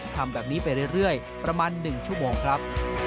ทำแบบนี้ไปเรื่อยประมาณ๑ชั่วโมงครับ